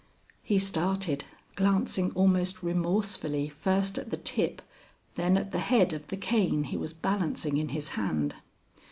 He started, glancing almost remorsefully first at the tip, then at the head of the cane he was balancing in his hand.